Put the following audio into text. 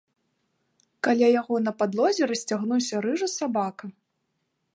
Каля яго на падлозе расцягнуўся рыжы сабака.